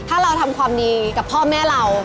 ถ้าเราทำความดีกับพ่อแม่เรา